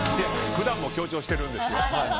普段も強調してるんですよ。